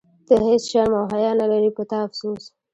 ته هیڅ شرم او حیا نه لرې، په تا افسوس.